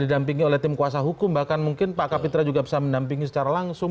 didampingi oleh tim kuasa hukum bahkan mungkin pak kapitra juga bisa mendampingi secara langsung